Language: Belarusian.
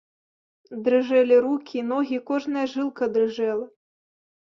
Дрыжэлі рукі і ногі, кожная жылка дрыжэла.